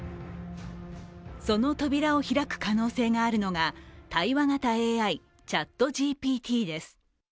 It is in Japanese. その扉を開く可能性があるのが対話型ＡＩ、ＣｈａｔＧＰＴです。